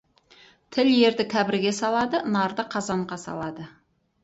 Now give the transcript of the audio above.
Тіл ерді қабірге салады, нарды қазанға салады.